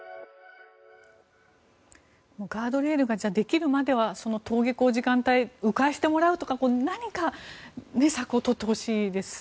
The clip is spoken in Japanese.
ガードレールができるまでは登下校時間帯迂回してもらうとか何か策を取ってほしいです。